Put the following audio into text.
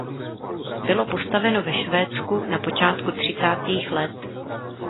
Bylo postaveno ve Švédsku na počátku třicátých let.